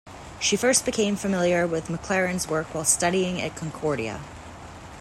She first became familiar with McLaren's work while studying at Concordia.